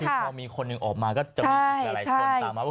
คือพอมีคนหนึ่งออกมาก็จะมีอีกหลายคนตามมาว่า